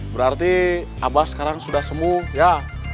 berarti abah sekarang sudah sembuh ya